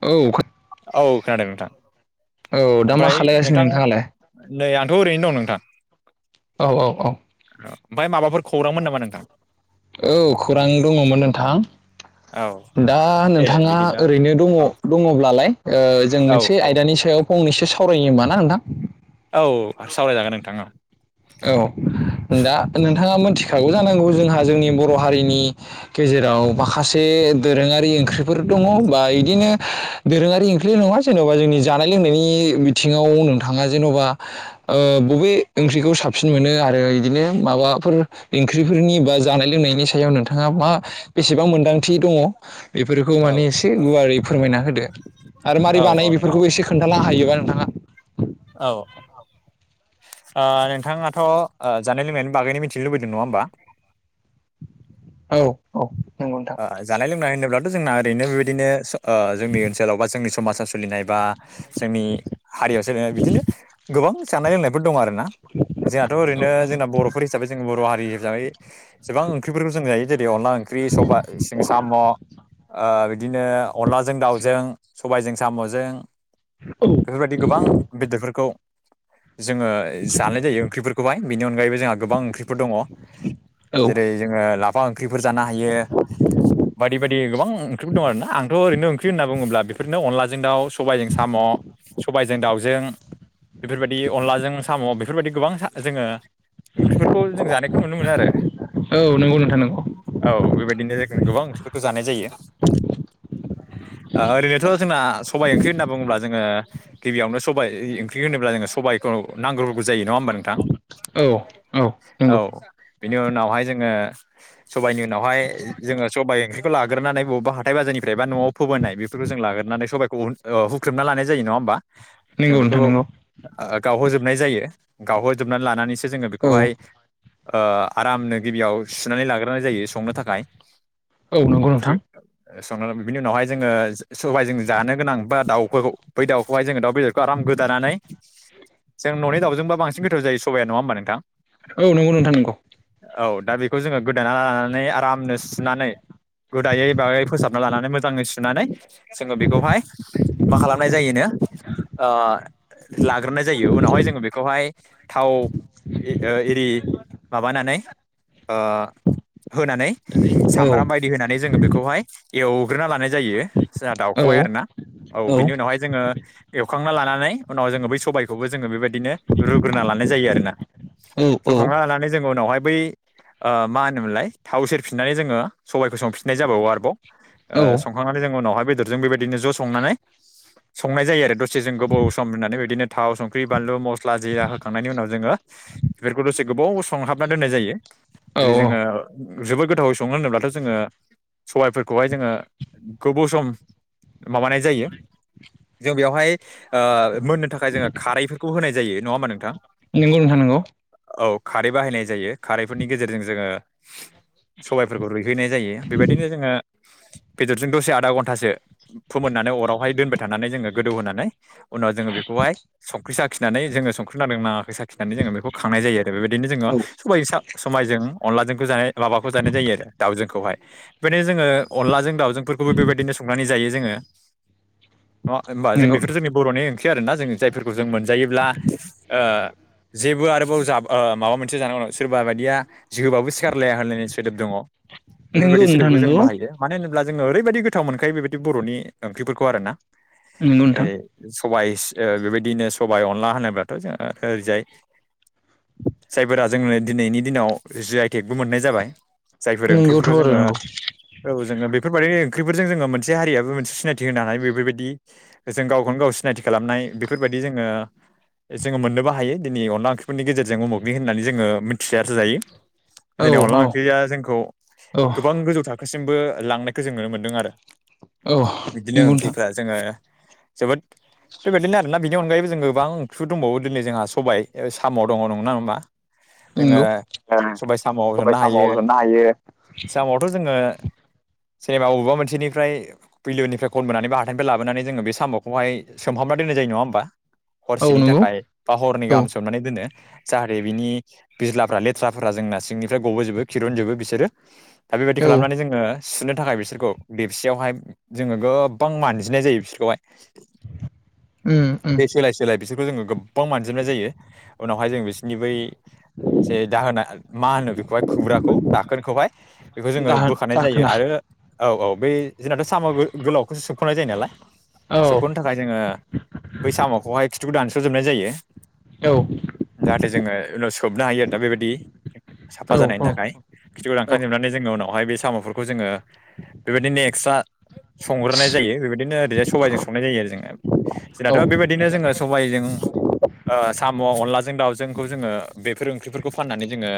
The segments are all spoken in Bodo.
औ औ खोनादों नोंथां औ दा मा ओमफ्राय खालायगासिनो नोंथां नोंथाङालाय? नै आ औ ओरैनो दं नोंथां। औ औ औ ओमफ्राय माबाफोर खौरांमोन नामा नोंथां औ खौरां दङमोन नोंथां औ दा दे नोंथाङा बिदिब्ला ओरैनो दङ औ दङब्लालाय जों औ मोनसे औ आयदानि सायाव फनैसो सावरायोमा ना नोंथां औ सावरायजागोन नोंथांङा औ दा नोंथाङा मोनथिखागौ जानांगौ जोंहा जोंनि बर' हारिनि गेजे जेराव माखासे दोरोङारि ओंख्रिफोर दङ बा इदिनो दोरोङारि ओंख्रि नङा जे जेनबा जोंनि जानाय लोंनायनि बिथिङाव नोंथाङा जेन'बाब ओ बबे ओंख्रिखौ सा साबसिन मोनो आरो इदिनो माबाफोर ओंख्रिफोरनि बा जानाय लोंनायनि सायाव नोंथाङा मा बेसेबां मोन्दांथि दङ? बेफोरखौ माने औ एसे गुवारै फोरमायना होदो आरो माबारै औ बानायो औ नोंथां बेफोरखौबो एसे खोन्थाना हायो? बा नोंथाङा औ ओ नोंथाङाथ' ओ जानाय लोंनायनि बागैनो मिथिनो लुबैदों नङा होमबा? औ औ ओह जानाय लोंनाय होनोब्लाथ' जोंना ओरैनो बेबायदि नेस ओ जोंनि ओनसोलाव बा जोंनि समाजा सोलिनाय बा जोंनि हारियाव बिदिनो गोबां जानाय लोंनायफोर दं आरो ना जोंहाथ' ओरैनो जोंना बर'फोर हिसाबै जों बर' हारि हिसाबै जबां ओंख्रिफोरबो जों जायो जेरै अनला ओंख्रि सबा सिं साम' ओ दिनो अनलाजों दाउजों सबायजों साम'जों बेफोरबायदि गोबां बेदेरफोरखौ जोङो जानाय जायो ओंख्रिफोरखौहाय बेनि अनगायैबो जोंहा गोबां ओंख्रिफोर दङ औ जेरै जोङो लाफा ओंख्रिफोर जानो हायो। बायदि बायदि गोबां ओंख्रिफोर दं आरो ना आंथ' ओरैनो ओंख्रि होनना बुङोब्ला बेफोरनो अनलाजों दाउ सबायजों साम' सबायजों दाउजों बेफोरबायदि अनलाजों साम' बे बेफोरबायदि गोबांथा जोङो ओंख्रिफोरखौ जों जानायखौ नुनो मोनो आरो औ नंगौ नोंथां नंगौ औ बेबाय [unintelligible] गोबां ओंख्रिफोरखौ जानाय जायो [unintelligible] आ ओरैनोथ' जोंना सबाय ओंख्रि होनना बुङोब्ला जोङो गिबियावनो सबाय इ ओंख्रि होनोब्ला जोङो सबाय औ नांग्रोगौ जायो नङा होनबा नोंथां औ औ नंगौ बिनि उनावहाय जोङो सबायनि उनावहाय सबाय ओंख्रिखौ लाग्रोनानै बबा हाथाय बाजनिफ्राय बा न'आव फोबोनाय बेफोरखौ जों लाग्रोनानै सबायखौ उन ओ हुख्रेबना ला जायो नङा होमबा नंगौ जों‌ बेखौ नोंथां ओ नंगौ गावहोजोबनाय जायो गावहोजोबनानै लानानै जोङो औ बेखौहाय ओ आरामनो गिबियाव सुनानै लाग्रोनाय जायो संनो थाखाय औ नंगौ नोंथां ओ संना लाबाय बिनि उनावहाय जोङो स-सबाय जों जानो गोनां बा दाउखौ बै दाउखौहाय जोङो दाउ बेदरखौ आराम गोदानानै जों न'नि दाउजोंबो बांसिन गोथाव जायो सबाया नङा होमबा नोंथां औ नंगौ नोंथां नंगौ औ दा बेखौ जोङो गोदाना लानानै आरामनो सुनानै गोदायै बायै फोसाबना लानानै मोजाङै सुनानै जोङो बेखौहाय मा खालामनाय जायोनो ओ लाग्रोनाय जायो उनावहाय जोङो बेखौहाय थाव इ ओ इरि माबानानै ओ होनानै औ सामब्राम बायदि होनानै जोङो बेखौहाय एव ग्रोना लानाय जायो जोहा औ दाउखौहाय आरोना औ बिनि उनावहाय जोङो एवखांना लाना नै उनाव जोङो बै सबायखौबो जोङो बेबाय दिनो रुग्रोना लानाय जायो आरोना औ रुखांना लानानै जोङो उनावहाय बै ओ मा होनोमोनलाय थाव सेरफिननानै जोङो सबायाइखौ संफिननाय जाबावो आरोबाव औ ओ संखांनानै जों उनावहाय बेदर जों बेबायदिनो ज' सनानै सनाय जायो आरो से जों गोबाव सम होनानै बिदिनो थाव संख्रि बानलु मस्ला जिरा होखांनायनि उनाव जोङो बेफोरखौ दसे गोबाव संहाबना दोननाय जायो [unintelligible] औ जोङो जोबोद गोथावै सङो होनोब्लाथ' जोङो सबायफोरखौहाय जोङो गोबौ सम माबानाय जायो जों बेवहाय ओ मोननो थाखाय जोङो खारैफोरखौ होनाय जायो नङा होमबा नोंथां नोंगौ नोंथां नोंगौ औ खारै बाहायनाय जायो खारैफोरनि गेजेरजों जोङो सबायफोरखौ रुय हैैनाय जायो बेबायदिनो जोङो बेदरजों दसे आधा घन्टासो फोमोननानै अरावहाय दोनबाय थानानै जोङो गोदौ होनानै उनाव जोङो बेखौहाय संख्रि साखिनानै जोङो संख्रि नांदों नाङा खिनानै जोङो बेखौ खांनाय जायो आरो बेबायदिनो जोङो औ सबायजो सा समायजों अनलाजोंखौ जानाय माबा जानाय जायो आरो दाउजोंंखौहाय बेनो जोङो अनलाजों दावजोंफोरखौबो बेबायदिनो संनानै जायो जोङो नङा होमबा जों नंगौ बेफोर जोंनि बर'नि ओंख्रि आरोना जों जायफोरखौ जों मोनजायोब्ला ओ जेबो आरोबाव जाब ओ माबा मोनसे जानांगौ सोरबा बायदिया जिहोबाबो सिखारलाया होन सोदोब दङ' नंगौ बेफोरबायदि नोंथां सोदोबखौ जों नंगौ बाहायो मानो होन ब्ला जोङो ओरैबायदि गोथाव मोनखायो बेबायदि बर'नि ओंख्रिफोरखौ आरोना नंगौ नोंथां [unintelligible] सबायस ओ बेबायदिनो सबाय अनला होनोब्लाथ' जोङो ओरैजाय जायफोरा जोंनो दिनैनि दिनाव जि आइ टेगबो मोननाय जाबाय जायफोर नंगौथ' ओंख्रिफोरखौ आरो जोङो नंगौ औ जोङो बे बेफोरबायदिनो ओंख्रिफोरजों जोङो मोनसे हारियाबो मोनसे सिनायथि होनो हानाय बेफोरबायदि जों गावखौनो गाव सिनायथि खालामनाय बेफोरबायदि जोङो जोङो मोननोबो हायो दिनि अनला ओंख्रिफोरनि गेजेरजों उमुगनि होननानै जोङो मिथिसार जायो औ जेननि अनला औ ओंख्रिया जोंखौ औ गोबां गोजौ थाखोसिमबो लांनायखो जों नुनो मोनदों आरो औ बिदिनो नंगौ नोंथां ओंख्रिफ्रा जोङो जोबोद बेबायदिनो आरोना बेनि अनगायैबो जों गोबां ओंख्रि दंबावो दिनै जोंहा सबाय साम' दङ नंगौ ना नङा जोंङो नंगौ सबाय साम'आव सबाय सरनो साम' हायो होसननो हायो साम'आवथ' जोंङो ओ जेनेबा बबेबा मोनसेनिफ्राय बिलोनिफ्राय कनबोनानै बा हाथाइनिफ्राय लाबोनानै जोंङो बे साम'खौहाय सोमहाबनाय दोननाय जायो नङा होमबा औ हरसेनि नंगौ थाखाय बा हरनै औ गाहाम सोमनानै दोनो। जाहाथे बिनि बिज्लाफ्रा लेथ्राफोरा जोंना सिंनिफ्राय गबोजोबो खिरनजोबो बिसोरो दा बेबायदि औ खालामनानै जोंङो सुनो थाखाय बिसोरखौ देबसेयावहाय जोंङो गोबां मानजिनाय जायो बिसोरखौहाय उम उम दै सोलाय-सोलाय बिसोर खौ जोंङो गोबबां मानजिनाय जायों उनावहाय जों बिसिनि बै जे दाहोना‌ मा खौहाय खुबग्राखौ दाखोनखौहाय बेखौ जोंङो दाहोन बोखानाय जायो दाखोना आरो औ औ बेै जोंनाथ' साम' गोलावखौसो सोबख'नाय जायो नालाय औ सोबख'नो थाखाय जोंङो बै साम'खौहाय खिथु दान स जोबनाय जायो औ जाहाथे जोंङो उनाव सोबनो हायो दा बेबायदि साफा औ जानायनि थाखाय खिथौ औ दानखांजोबनानै जोंङो उनावहाय बे साम'फोरखौ जोंङो बेबायदिनो एक्सट्रा संग्रोनाय जायो बेबायदिनो ओरैहाय सबाइजों संनाय जायो आरो जोंङो औ जोंनाथ' बेबायदिनो जोंङो सबाइजों ओ साम' अनलाजों दाउजोंखौ जोंङो बेफोर ओंख्रिफोरखौ फाननानै जोंङो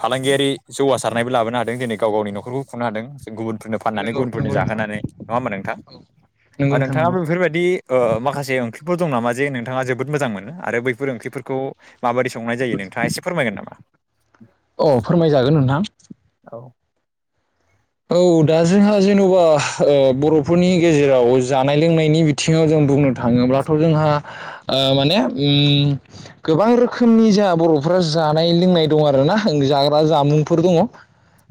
फालांगियारि जौगासारनायबो लाबोनो हादों दिनै गाव गावनि नखरबो खुंनो हादों। गुबुनफोरनो फाननानै नंगौ गुबुनफोरनो नंगौ नोंथां जाहोनानै नङा होमा नोंथां। नंगौ नोंथां नंगौ नोंथाङाबो बेफोरबायदि ओ माखासे ओं ख्रिफोर दं नामा जे नोंथाङा जोबोद मोजां मोनो आरो बैफोर ओंख्रिफोरखौ माबादि संनाय जायो नोंथाङा एसे फोरमायगोन नामा। अ फोरमायजागोन नोंथां औ औ दा जोंहा जेन'बा ओ बर'फोरनि गेजेराव जानाय लोंनायनि बिथिंङाव जों बुं नो थाङोब्लाथ' जोंहा ओ माने अम गोबां रोखोमनि जाहा बर'फोरा जानाय लोंनाय दं आरो ना जाग्रा जामुंफोर दङ ओ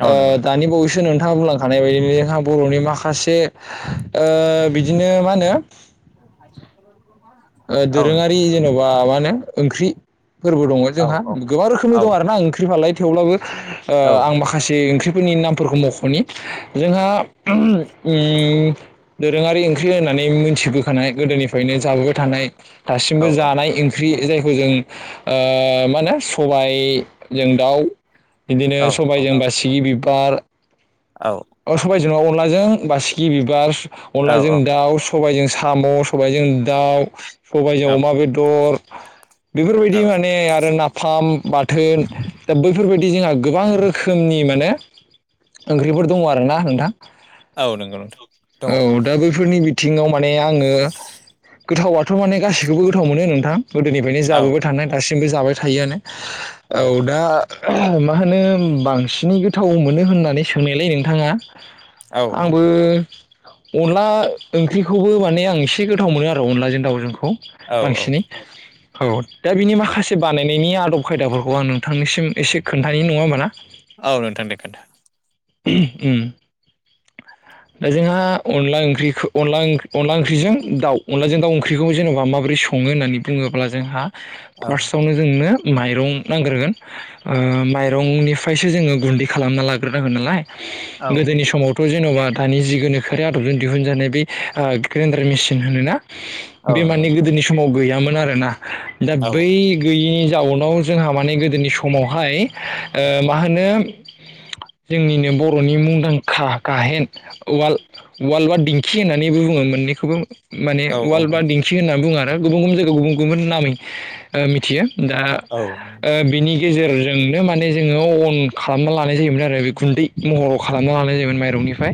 औ नंगौ नोंथां दानि बावैसो नों थांङा बुंलांखानाय बायदि जोंहा बर'नि माखासे ओ बिदिनो मा होनो [inaudible] ओ औ नोंथां दोरोङारि जेन'बा मा होनो ओंख्रि फोरबो दङ' औ जोंहा औ गोबां रोखोमनि औ दं आरो ना ओंख्रि फालाय थेवब्लाबो ओ आं माखासे ओंख्रिफोरनि नाम फोरखौ मख'नि जोंहा उम इ दोरोङारि ओंख्रि होननानै मि थिबोखानाय गोदोनिफ्रायनो जाबोबाय थानाय औ दासिमबो जानाय ओं ख्रि जायखौ जों ओ मा होनो सबाय जों दाउ बिदिनो औ सबायजों बासिगि बिबार औ जेनेबा अनलाजों बासिगि बिबार अनलाजों औ दाउ सबाइजों साम' सबाइजों दाउ सबाइजों औ अमा बेदर बेफोरबायदि औ माने आरो नाफाम बाथोन दा बैफोरबायदि जोंहा गोबां रोखोमनि माने ओंख्रिफोर दङ' आरो ना नोंथां औ नंगौ नोंथां दङ औ दा बैफोरनि बि थिङाव माने आंङो गोथावाथ' माने गासैखौबो गोथाव मोनो नोंथां गोदोनिफ्रायनो औ जाबोबाय थानाय दासिमबो जाबाय थायोआनो औ दा ओ मा होनो बांसिनै गोथाव मोनो होननानै सोंनायलाय नोंथाङा औ आंबो अनला ओंख्रिखौबो माने आं एसे गोथाव मोनो आ रो अनलाजों दाउजोंखौ औ औ बांसिनै औ दा बिनि माखासे बानायनायनि आदब खायदाफोरखौ आं नोंथांनिसिम एसे खोन्थानि नङा होमबा ना औ नोथां दे खोनथा उम। दा जोंहा अनला ओंख्रि अनला -अनला ओंख्रिजों दाउ, अनलाजों दाउ ओंख्रिखौ जेन'बा माबोरै [unintelligible] [unintelligible] होननानै बुङोब्ला जोंहा औ फार्स्टआवनो जोंनो माइरं नांग्रोगोन। ओ माइरंनिफ्रायसो जोङो गुन्दै खालामना लाग्रोनांगोन नालाय। औ गोदोनि समावथ' जेन'बा दानि जि गोनोखोआरि आदबजों दिहुनजानाय बे ओ ग्रेन्डार मेसिन होनो ना? औ बे नंगौ मानि नोंथां। गोदोनि समाव गैयामोन आरोना दा औ बै गैयि जाउनाव जोंहा माने गोदोनि समावहाय ओ मा होनो जोंनिनो बर'नि मुंदांखा गाहेन- उवाल, उवाल बा दिंखि होननानै बुङो मोनै [unintelligible] माने औ उवाल बा दिंखि होनना बुङो आरो। गुबुन -गुबुन जायगायाव गुबुन- गुबुन नामै मिथियो। दा औ ओ बिनि गेजेरजोंनो माने जोङो अन खालामना लानाय जायोमोन आरो बे गुन्दै महराव खालामना लानाय जायोमोन माइरंनिफ्राय।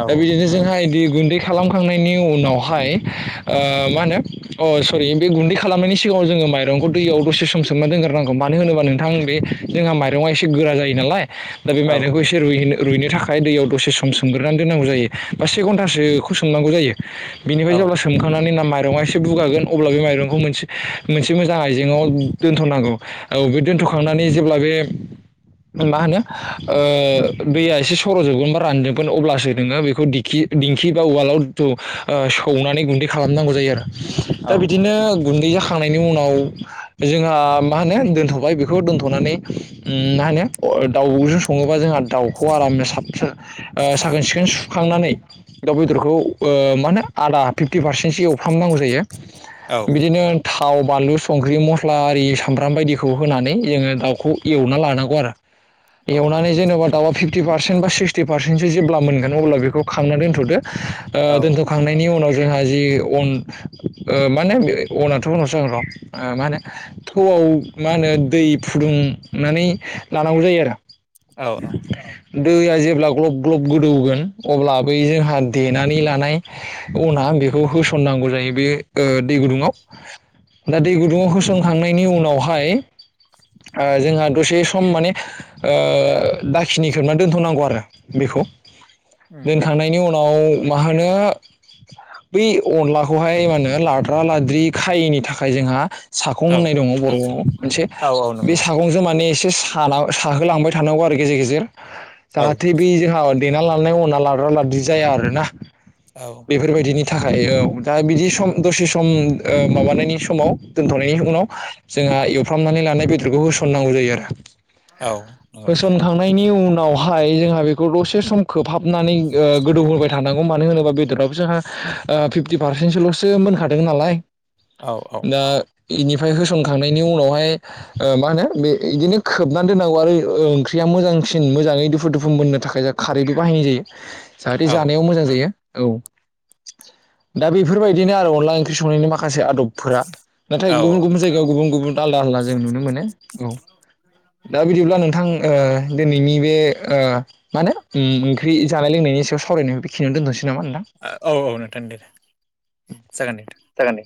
औ दा बिदिनो जोंहा बिदि गुन्दै खालामखांनायनि उनावहाय, ओ मा होनो, अ सरि बे गुन्दै खालामनायनि सिगाङाव जोङो माइंखौ दैयाव दसे [unintelligible] सोमना दोनग्रोनांगौ। मानो होनोबा नोंथां बे जोंहा माइरङा एसे गोरा जायो नालाय दा बे माइरंखौ एसे रुइ- रुइनो थाखाय दैयाव दसे सम सोमग्रोनानै दोननांगौ जायो। बा से घन्टासोखौ सोमनांगौ जायो। बिनिफ्राय जेब्ला सोमखांनानै ना [unintelligible] एसे बुगागोन अब्ला बे माइरंखौ मोनसे मोजां आइजेङाव दोनथनांगौ औ बे दोनथ' बोखांनानै जेब्ला बे मा होनो ओ दैया एसे सरजोबगोन बा रानजोबगोन। अब्लासो नोङो बेखौ दिखि बा‌ दिंखि बा उवालाव ओ सौनानै गुन्दै खालामनांगौ जायो आरो। दा बिदिनो गुन्दै [unintelligible] उनाव जोंहा मा होनो दोनथ'बाय बेखौ दोनथनानै मा होनो ओ दाउजों सङोबा जोंहा दाउखौ आराम साब- साखोन- सिखोन सुखांनानै। दाउ बेदरखौ ओ मा होनो आदा [unintelligible] फिफ्टि पारसेन्टसो एवफ्रामनांगौ जायो। बिदिनो थाव, बानलु, संख्रि, मस्ला आरि सामब्राम बायदिखौ होनानै जोङो दाउखौ एवना लानांगौ आरो। औ एवनानै जेनेबा दाउआ फिफ्टि पारसेन्ट बा सिक्सटि पारसेन्टसो जेब्ला मोनगोन। अब्ला बेखौ खांना दोनथ'दो। ओ औ दोनथ'खांनायनि उनाव जोंहा जि अन ओ माने बे अनाथ' उनावसो जांगोन र'। मा होनो थौ मा होनो दै फुदुंनानै लानांगौ जायो आरो। औ दैया जेब्ला ग्लब- ग्लब गोदौगोन। अब्ला बै जोंहा देनानै लानाय अना आं बेखौ होसननांगौ जायो। बे ओ दै गुदुङाव। दा दै गुदुंङआव होसनखांनायनि उनावहाय ओ जोंहा दसे सम माने ओ दाखिनि खोबनानै दोन्थनांगौ आरो बेखौ उम उम दोनखांनायनि उनाव मा होनो बै अनलाखौहाय मा होनो लाद्रा -लाद्रि खायैनि थाखाय जोंहा सागं औ होननाय दङ बर'आव मोनसे औ औ नंगौ बे नोंथां सागंजों माने एसे साना थाहोलांबाय थानांगौ आरो गेजेर -गेजेर औ जाहाथे बै जोंहा देना लानाय उना लाद्रा -लाद्रि जाया आरो ना औ बेफोरबायदिनि थाखाय औ दा बिदि सम दसे सम, ओ माबानायनि समाव दोनथ'नायनि उनाव जों जोंहा एवफ्रामनानै लानाय बेदरखौ होसननांगौ जायो आरो। औ नंगौ नोंथां होसनखांनायनि उनावहाय जोंहा बेखौ दसे सम खोबहाब [unintelligible] ओ गोदौहोबाय थानांगौ मानो होनोबा बेदरावबो जोंहा ओ फिफ्टि पारसेन्टसोलसो मोनखादों नालाय। औ, औ। बेनिफ्राय होसनखांनायनि उनावहाय मा होनो बे बिदिनो [unintelligible] खोबनानै दोन्नांगौ आरो ओंख्रिया मोजांसिन मोजाङै दुफु -दुफु मोनोननो थाखाय जाहा खारैबो बाहायनाय जायो। जाहाथे जानायाव मोजां जायो। औ दा बेफोरबायदिनो आरो अनला ओंख्रि संनायनि माखासे आदब फोरा। नाथाय औ गुबुन गुबुन जायगायाव गुबुन गुबुन आलदा आलदा जों नुनो मोनो। औ। दा बिदिब्ला नोंथां ओ दिनैनि बे ओ मा होनो ओ ओंख्रि जानाय लोंनायनि सायाव सावरायनायखौ बेखिनियावनो दोनथ'सै। ओ औ नोंथां दे जागोन दे नोंथां। जागोन दे।